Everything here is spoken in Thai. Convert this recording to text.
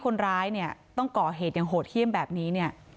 คนร้ายเนี่ยต้องก่อเหตุอย่างโหดเยี่ยมแบบนี้เนี่ย